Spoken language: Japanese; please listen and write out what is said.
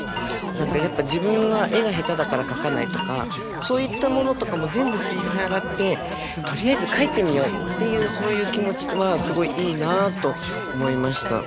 やっぱ自分は絵が下手だから描かないとかそういったものとかも全部振り払ってとりあえず描いてみようっていうそういう気持ちはすごいいいなと思いました。